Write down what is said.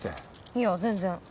いや全然。